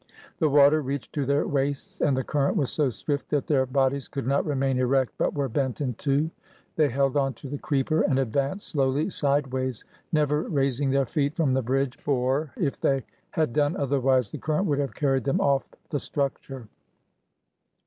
The water reached to their waists, and the current was so swift that their bod ies could not remain erect, but were bent in two. They held on to the creeper and advanced slowly sideways, never raising their feet from the bridge, for if they had done otherwise the current would have carried them off the structure.